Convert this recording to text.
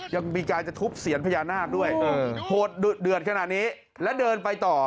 ยังมีการจะทุบเซียนพญานาคด้วยโหดเดือดขนาดนี้และเดินไปต่อ